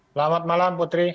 selamat malam putri